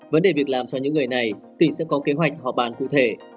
vấn đề việc làm cho những người này tỉnh sẽ có kế hoạch họ bán cụ thể